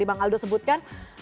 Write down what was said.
yang bang aldo sebutkan